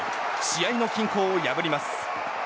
試合の均衡を破ります。